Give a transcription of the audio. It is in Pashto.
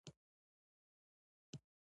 دوی د استثمار او بې انصافۍ پر ضد وو.